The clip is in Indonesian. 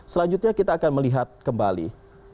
selanjutnya kita akan melihat kembali